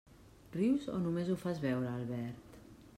Rius o només ho fas veure, Albert?